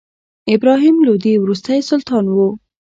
ابراهیم لودي وروستی سلطان و.